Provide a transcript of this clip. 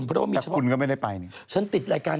กระเทยเก่งกว่าเออแสดงความเป็นเจ้าข้าว